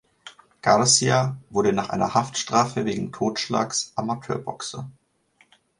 Garcia wurde nach einer Haftstrafe wegen Totschlags Amateurboxer.